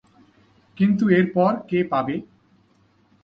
কিন্তু এরপর কে পাবে?